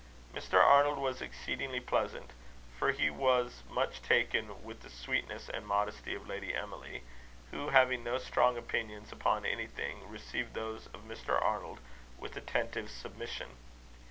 Mr. Arnold was exceedingly pleasant, for he was much taken with the sweetness and modesty of Lady Emily, who, having no strong opinions upon anything, received those of Mr. Arnold with attentive submission.